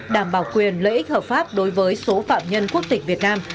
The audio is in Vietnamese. đảm bảo quyền lợi ích hợp pháp đối với số phạm nhân quốc tịch việt nam